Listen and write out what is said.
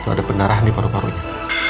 ada pendarahan di paru parunya